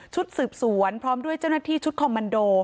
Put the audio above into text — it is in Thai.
สืบสวนพร้อมด้วยเจ้าหน้าที่ชุดคอมมันโด